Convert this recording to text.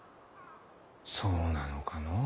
そうなのかのぅ。